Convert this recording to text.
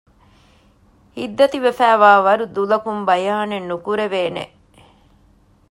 ހިތްދަތި ވެފައިވާވަރު ދުލަކުން ބަޔާނެއް ނުކުރެވޭނެ